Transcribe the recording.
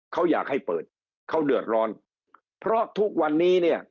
เขาอยากให้เปิดเขาเดือดร้อนเพราะทุกวันนี้เนี่ย